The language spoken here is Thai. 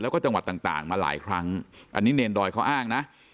แล้วก็จังหวัดต่างมาหลายครั้งอันนี้เนรดอยเขาอ้างนะ